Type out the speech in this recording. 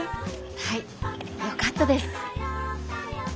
はいよかったです。